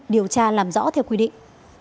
điều tra làm rõ theo quy định